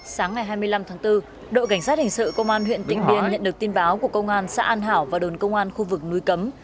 sáng ngày hai mươi năm tháng bốn đội cảnh sát hình sự công an huyện tịnh biên nhận được tin báo của công an xã an hảo và đồn công an khu vực núi cấm